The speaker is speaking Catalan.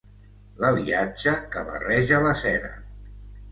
L'aliatge que barreja la cera.